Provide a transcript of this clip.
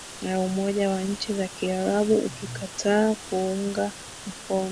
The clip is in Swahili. na umoja wa nchi za kiarabu ukikataa kuunga mkono